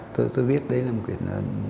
thôi tôi viết đấy là một quyển